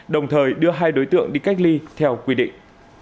đồng thời đưa hai đối tượng đi cách ly theo quy định